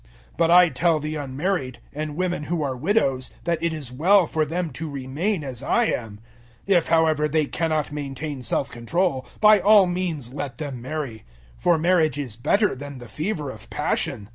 007:008 But I tell the unmarried, and women who are widows, that it is well for them to remain as I am. 007:009 If, however, they cannot maintain self control, by all means let them marry; for marriage is better than the fever of passion.